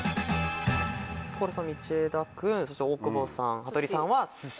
所さん道枝君大久保さん羽鳥さんは「スシ」。